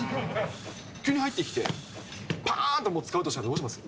急に入ってきて、ぱーっと使うとしたらどうします？